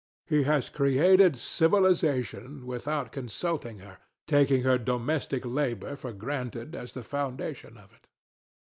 He has created civilization without consulting her, taking her domestic labor for granted as the foundation of it.